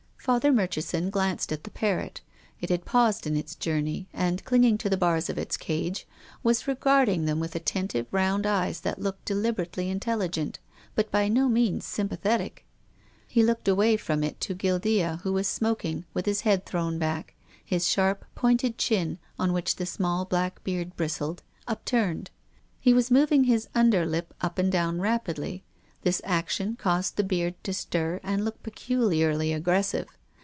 Father Murchison glanced at the parrot. It had paused in its journey, and, clinging to the bars of its cage, was regarding them with attentive round eyes that looked de liberately intelligent, but by no means sympa thetic. He looked away from it to Guildca, who was smoking, with his head thrown back, his sharj), pointed chin, on which the small black beard bristled, upturned. lie was moving his under lip up and down rapidly. This action caused the beard to stir and look peculiarly ag gressive.